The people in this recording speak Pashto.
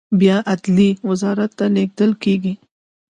بیا عدلیې وزارت ته لیږل کیږي.